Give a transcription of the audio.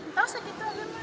nggak usah gitu